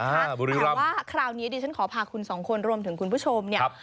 แต่ว่าคราวนี้ดิฉันขอพาคุณสองคนรวมถึงคุณผู้ชมเนี่ย